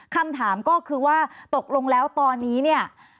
คำถามก็คือว่าตกลงแล้วตอนนี้เนี่ย